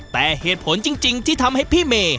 แต่เหตุผลจริงที่ทำให้พี่เมย์